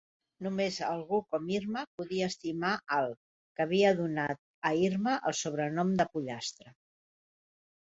Només algú com Irma podia estimar Al, que havia donat a Irma el sobrenom de "Pollastre".